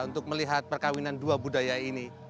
untuk melihat perkawinan dua budaya ini